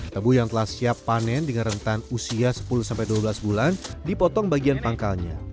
tebu yang telah siap panen dengan rentan usia sepuluh dua belas bulan dipotong bagian pangkalnya